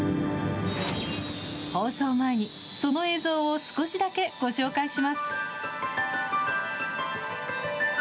放送前にその映像を少しだけご紹介します。